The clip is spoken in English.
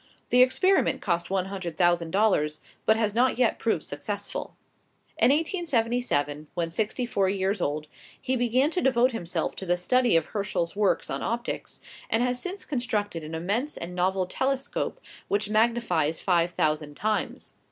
The experiment cost one hundred thousand dollars, but has not yet proved successful. In 1877, when sixty four years old, he began to devote himself to the study of Herschel's works on optics, and has since constructed an immense and novel telescope, which magnifies five thousand times.